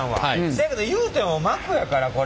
せやけどいうても膜やからこれ。